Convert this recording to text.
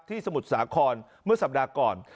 สมุทรสาครเมื่อสัปดาห์ก่อน